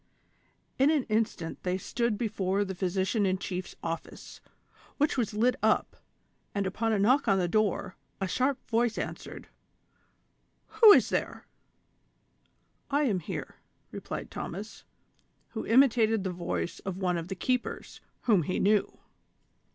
In an instant they stood before the physician in chief s office, which was lit up, and upon a knock on the dogr, a sharp voice asked :" Who is there V "" I am here," replied Thomas, who imitated the voice of one of the keepers, whom he knew.